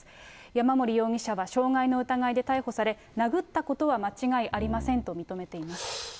山森容疑者は傷害の疑いで逮捕され、殴ったことは間違いありませんと認めています。